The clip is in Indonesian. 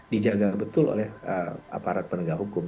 dijaga betul oleh aparat penegak hukum